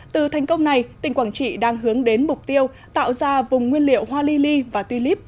từ thành công này tỉnh quảng trị đang hướng đến mục tiêu tạo ra vùng nguyên liệu hoa lyli và tuy líp